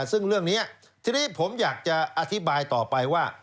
ซึ่งเรื่องนี้ทีนี้ผมอยากจะอธิบายต่อไปว่า